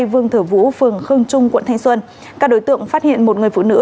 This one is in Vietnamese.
vương thở vũ phường khương trung quận thanh xuân các đối tượng phát hiện một người phụ nữ